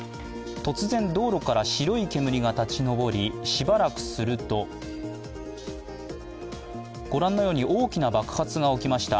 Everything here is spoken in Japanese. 突然道路から白い煙が立ち上り、しばらくするとご覧のように大きな爆発が起きました。